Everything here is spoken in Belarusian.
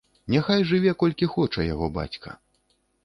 Няхай жыве, колькі хоча, яго бацька.